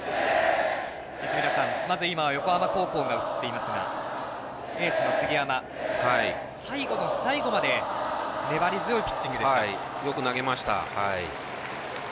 泉田さん、まず今横浜高校が映っていますがエースの杉山最後の最後までよく投げました。